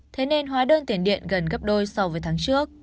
thế nên hóa đơn tiền điện gần gấp đôi so với tháng trước